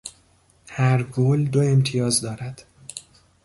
هر گل دو امتیاز دارد.